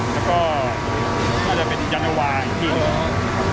แล้วก็น่าจะเป็นยาลาวาอีกทีนึงอ๋อ